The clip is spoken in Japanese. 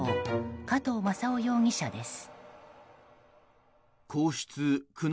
加藤正夫容疑者です。